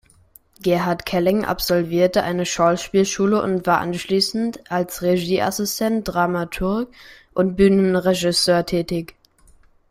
Gerhard Kelling absolvierte eine Schauspielschule und war anschließend als Regieassistent, Dramaturg und Bühnenregisseur tätig.